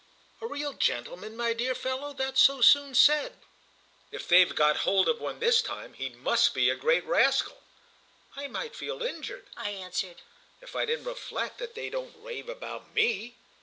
"A real gentleman, my dear fellow—that's so soon said!" "Not so soon when he isn't! If they've got hold of one this time he must be a great rascal!" "I might feel injured," I answered, "if I didn't reflect that they don't rave about me."